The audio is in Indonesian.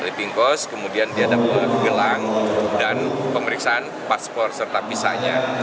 living cost kemudian diadakan gelang dan pemeriksaan paspor serta pisahnya